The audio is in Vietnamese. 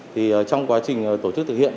thì trong quá trình tổ chức thực hiện